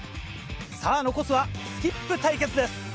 さぁ残すはスキップ対決です。